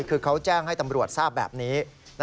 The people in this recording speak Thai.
คือเขาแจ้งให้ตำรวจทราบแบบนี้